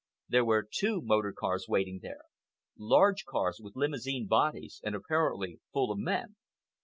There were two motor cars waiting there—large cars with Limousine bodies, and apparently full of men.